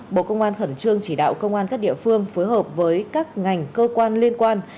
bộ công an khẩn trương chỉ đạo công an các địa phương phối hợp với các ngành cơ quan liên quan